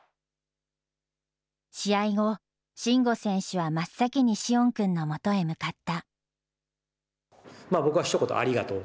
試合後、慎吾選手は真っ先に詩音くんの元へ向かった。